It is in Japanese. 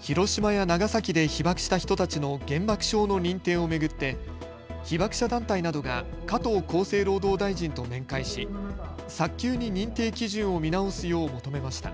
広島や長崎で被爆した人たちの原爆症の認定を巡って被爆者団体などが加藤厚生労働大臣と面会し早急に認定基準を見直すよう求めました。